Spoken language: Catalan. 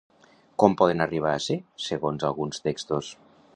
Com poden arribar a ser, segons alguns textos?